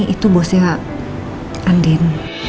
itu bosnya andin